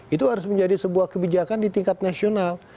itu harus menjadi sebuah kebijakan di tingkat nasional